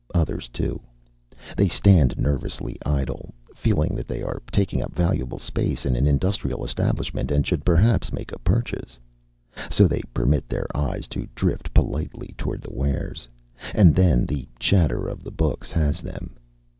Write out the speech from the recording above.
Others, too. They stand nervously idle, feeling that they are taking up valuable space in an industrial establishment and should perhaps make a purchase. So they permit their eyes to drift politely toward the wares. And then the chatter of the books has them.